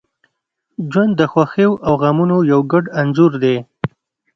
• ژوند د خوښیو او غمونو یو ګډ انځور دی.